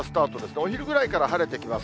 お昼ぐらいから晴れてきます。